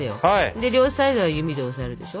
で両サイドは指で押さえるでしょ。